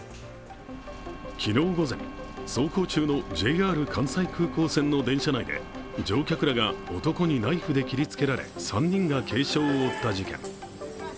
昨日午前、走行中のＪＲ関西空港線の電車内で乗客らが男にナイフで切りつけられ３人が軽傷を負った事件。